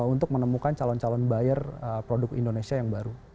untuk menemukan calon calon buyer produk indonesia yang baru